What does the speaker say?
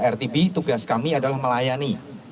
rtb tugas kami adalah melayani